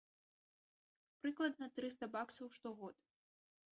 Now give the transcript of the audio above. Прыкладна трыста баксаў штогод.